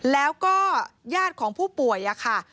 แล้วก็ญาติของผู้ป่วยค่ะ